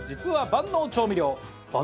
万能調味料。